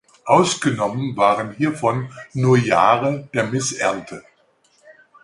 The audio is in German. Ausgenommen waren hiervon nur Jahre der Missernte.